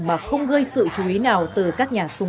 mà không gây sự chú ý nào từ các đối tượng